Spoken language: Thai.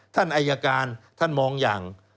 ท่านอายการท่านมองอย่าง